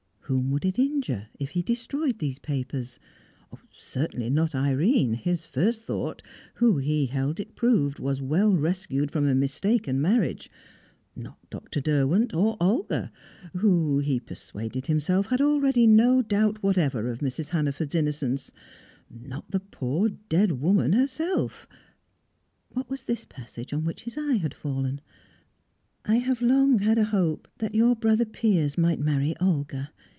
Whom would it injure, if he destroyed these papers? Certainly not Irene, his first thought, who, he held it proved, was well rescued from a mistaken marriage. Not Dr. Derwent, or Olga, who, he persuaded himself, had already no doubt whatever of Mrs. Hannaford's innocence. Not the poor dead woman herself What was this passage on which his eye had fallen? "I have long had a hope that your brother Piers might marry Olga.